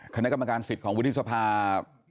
คณะกรรมการสิทธิ์ของวุฒิสภา